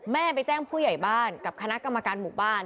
แม่ไปแจ้งผู้ใหญ่บ้านกับคณะกรรมการหมู่บ้าน